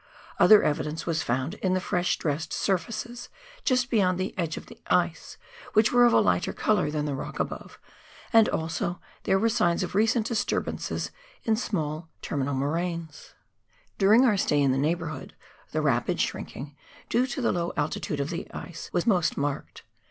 Other evidence was found in the fre>h dressed surfaces, just beyond the end of the ice, which were of a lighter colour than the rock above ; and also there were signs of recent disturbance in the small terminal moraines. THE FRANZ JOSEF GLACIER. 173 During our stay in the neighbourliood the rapid shrinking, due to the low altitude of the ice, was most marked.